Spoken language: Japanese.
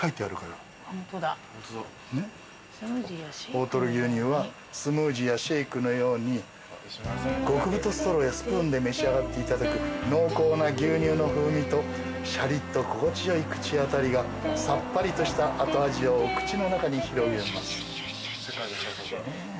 「大とろ牛乳はスムージーやシェイクのように極太ストローやスプーンで召し上がっていただく濃厚な牛乳の風味とシャリッと心地よい口あたりがさっぱりとした後味をお口の中に広げます」